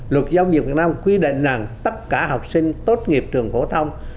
luật giáo dục việt nam quy định rằng tất cả học sinh tốt nghiệp trường phổ thông